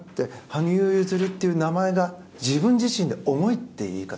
羽生結弦っていう名前が自分自身で重いという言い方